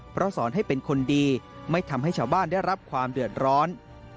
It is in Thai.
เพราะสอนให้เป็นคนดีไม่ทำให้ชาวบ้านได้รับความเดือดร้อน